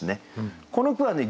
この句はね